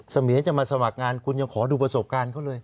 เมียนจะมาสมัครงานคุณยังขอดูประสบการณ์เขาเลย